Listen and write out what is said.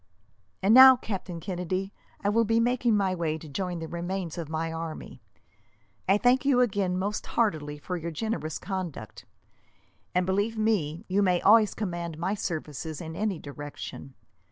"And now, Captain Kennedy, I will be making my way to join the remains of my army. I thank you again, most heartily, for your generous conduct; and, believe me, you may always command my services in any direction.